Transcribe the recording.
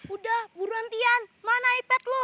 udah nemu rantaian mana ipad lu